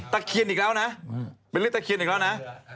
เคียนอีกแล้วนะเป็นเลขตะเคียนอีกแล้วนะ